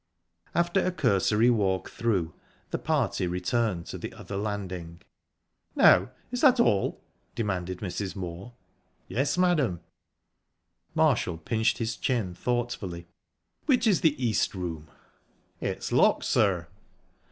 After a cursory walk through, the party returned to the other landing. "Now, is that all?" demanded Mrs. Moor. "Yes, madam." Marshall pinched his chin thoughtfully. "Which is the East Room?" "It's locked, sir."